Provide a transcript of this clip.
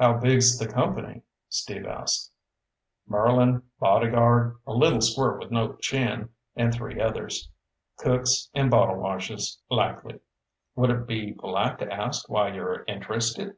"How big's the company?" Steve asked. "Merlin, bodyguard, a little squirt with no chin, and three others. Cooks and bottle washers, likely. Would it be polite to ask why you're interested?"